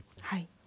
はい